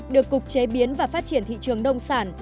được cục chế biến và phát triển thị trường đông sản